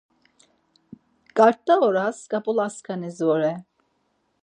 K̆arta oras ǩap̌ulaskanis vore!